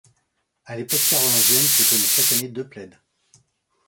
À l'époque carolingienne se tenaient chaque année deux plaids.